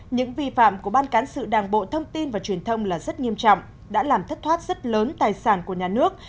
những vi phạm của ban cán sự đảng bộ thông tin và truyền thông là rất nghiêm trọng đã làm thất thoát rất lớn tài sản của nhà nước